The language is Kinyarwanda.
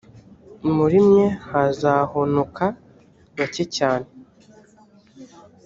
muri mwe hazahonoka bake cyane,